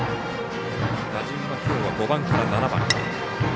打順はきょうは５番から７番。